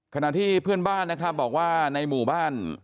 ขณะที่เพื่อนบ้านนะครับบอกว่าในหมู่บ้าน